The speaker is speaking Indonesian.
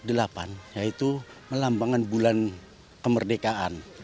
kelompok delapan yaitu melambangkan bulan kemerdekaan